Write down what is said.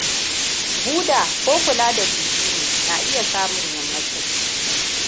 buda ko kula da bibini na iya samun yammacin.